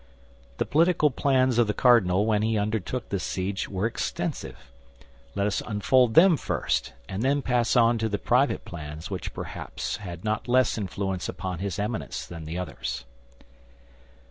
The political plans of the cardinal when he undertook this siege were extensive. Let us unfold them first, and then pass on to the private plans which perhaps had not less influence upon his Eminence than the others.